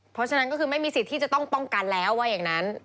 เพราะฉะนั้นก็คือไม่มีสิทธิ์ที่จะต้องป้องกันแล้วว่าอย่างนั้น